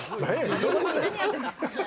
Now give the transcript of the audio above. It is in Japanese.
どういうことやねん！